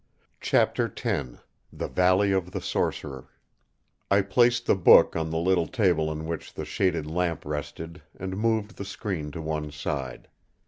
Chapter X The Valley of the Sorcerer I placed the book on the little table on which the shaded lamp rested and moved the screen to one side.